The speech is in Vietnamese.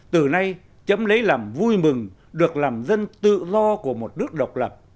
từ nay chấm lấy làm vui mừng được làm dân tự do của một nước độc lập